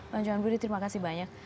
bang johan budi terima kasih banyak